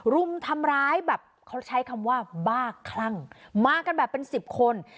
รุมทำร้ายแบบเขาใช้คำว่าบ้าคลั่งมากันแบบเป็นสิบคน